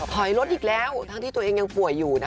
ถอยรถอีกแล้วทั้งที่ตัวเองยังป่วยอยู่